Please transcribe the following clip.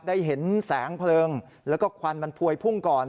ได้เห็นแสงเพลิงแล้วก็ควันมันพวยพุ่งก่อน